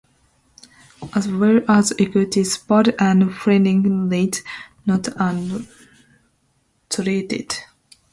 As well as equities, bonds and Floating Rate Notes are traded.